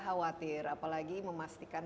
khawatir apalagi memastikan